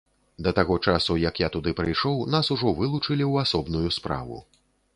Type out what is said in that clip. Да таго часу, як я туды прыйшоў, нас ужо вылучылі ў асобную справу.